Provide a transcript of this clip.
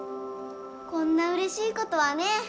こんなうれしいこたあねぇ。